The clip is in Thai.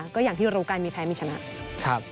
ก็อย่างที่รู้กันมีแพ้มีชนะ